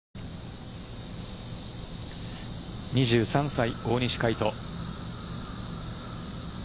２３歳、大西魁斗。